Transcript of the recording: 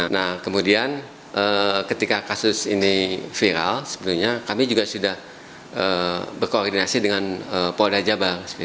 nah kemudian ketika kasus ini viral sebenarnya kami juga sudah berkoordinasi dengan polda jabar